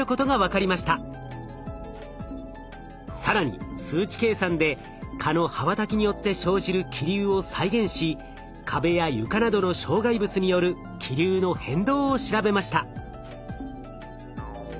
更に数値計算で蚊の羽ばたきによって生じる気流を再現し壁や床などの障害物による気流の変動を調べました。